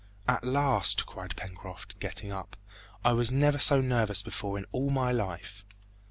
"At last!" cried Pencroft, getting up; "I was never so nervous before in all my life!"